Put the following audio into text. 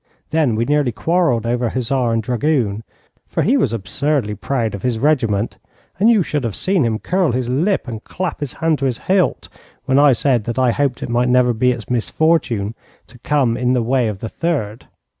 Then we nearly quarrelled over hussar and dragoon, for he was absurdly proud of his regiment, and you should have seen him curl his lip and clap his hand to his hilt when I said that I hoped it might never be its misfortune to come in the way of the Third.